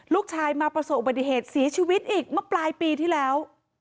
ลูกชายมาประสบอุบัติเหตุเสียชีวิตอีกเมื่อปลายปีที่แล้ว